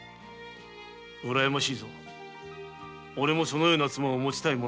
うらやましいぞおれもそのような妻を持ちたいものだ。